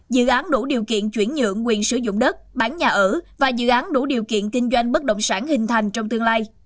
dự án đủ điều kiện chuyển nhượng quyền sử dụng đất bán nhà ở và dự án đủ điều kiện kinh doanh bất động sản hình thành trong tương lai